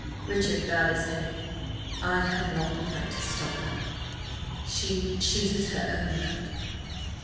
Richard bowed his head. "I have not the right to stop her. She–chooses her own road."